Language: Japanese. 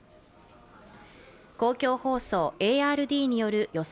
公共放送、ＡＲＤによる予想